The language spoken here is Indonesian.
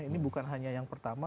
ini bukan hanya yang pertama